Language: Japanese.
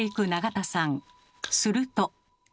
すると。